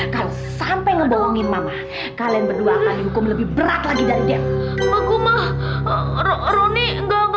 kalau sampai ngebohongin mama kalian berdua lebih berat lagi dari dia aku mah rony enggak